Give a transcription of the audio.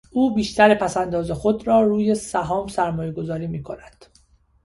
او بیشتر پس انداز خود را روی سهام سرمایهگذاری میکند.